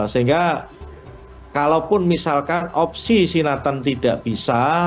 sehingga kalaupun misalkan opsi sin nathan tidak bisa